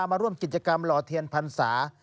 มาร่วมกิจกรรมหล่อเทียนพรรษา